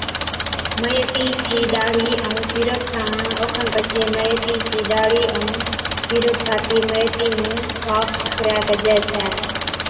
ميٿِي چِي ڏاڙهِي ائُون سيرب ٺاهوڻ، اوکن پڇي ميٿي چِي ڏاڙھِي ائُون سيرب ٺاھتِي ميٿي نُون صاف سُٿرَي ڪجَي ڇَي